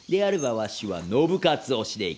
ワシは信雄推しでいく。